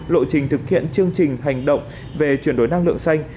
lộ trình thực hiện chương trình hành động về chuyển đổi năng lượng xanh